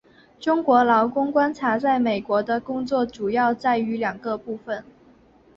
中国劳工观察在美国的工作主要在于两个部份。